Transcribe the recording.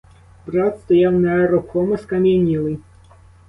Брат стояв нерухомо, скам'янілий.